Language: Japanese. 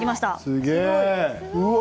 すげえ。